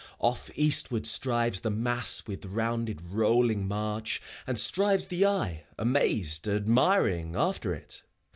Off eastward strives the mass with rounded, rolling march: And strives the eye, amazed, admiring, after it.